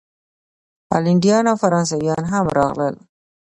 هالینډیان او فرانسویان هم راغلل.